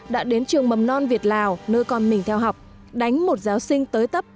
đã đến trường mầm non việt lào nơi con mình theo học đánh một giáo sinh tới tấp